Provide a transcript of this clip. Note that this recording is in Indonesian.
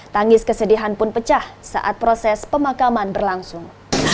tangis kesedihan pun pecah saat proses pemakaman berlangsung